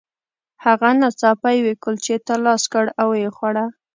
هغه ناڅاپه یوې کلچې ته لاس کړ او ویې خوړه